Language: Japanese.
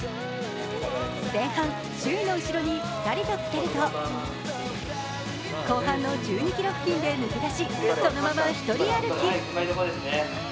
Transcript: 前半、首位の後ろにピタリとつけると、後半の１２ｋｍ付近で抜け出しそのまま１人歩き。